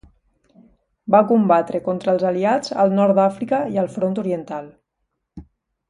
Va combatre contra els Aliats al Nord d'Àfrica i al front oriental.